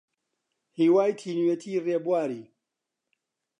هیوای تینوێتی ڕێبواری